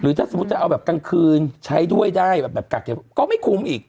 ถ้าสมมุติจะเอาแบบกลางคืนใช้ด้วยได้แบบกักเก็บก็ไม่คุ้มอีก